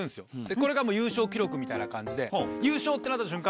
これが優勝記録みたいな感じで優勝！ってなった瞬間